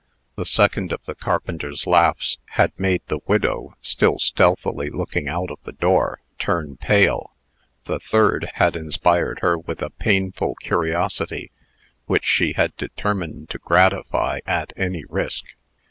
The second of the carpenter's laughs had made the widow (still stealthily looking out of the door) turn pale. The third had inspired her with a painful curiosity, which she had determined to gratify, at any risk.